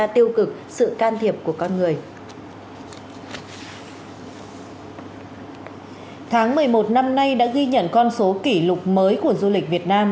tháng một mươi một năm nay đã ghi nhận con số kỷ lục mới của du lịch việt nam